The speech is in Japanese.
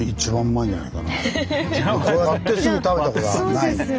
こう割ってすぐ食べたことがないので。